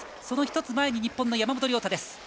その１つ前に日本の山本涼太です。